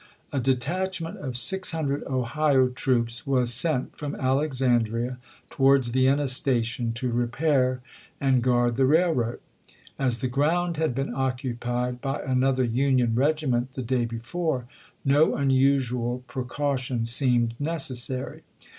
A detachment of six hundred Ohio troops was sent from Alexandria towards Vienna station to repair and guard the railroad. As the ground had been occupied by another Union regiment the day before, no unusual precaution seemed necessary.